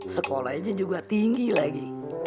sekolahnya juga tinggi lagi